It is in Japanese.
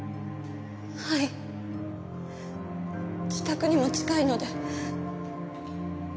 はい自宅にも近いので。